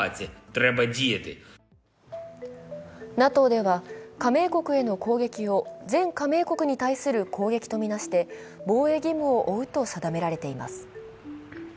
ＮＡＴＯでは加盟国への攻撃を全加盟国に対する攻撃とみなして防衛義務を負うと定められています。